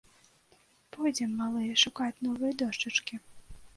Пойдзем, малыя, шукаць новай дошчачкі!